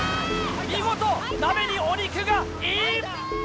見事鍋にお肉がイン！